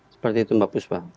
seperti itu mbak puspa